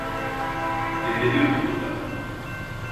Denedim onu da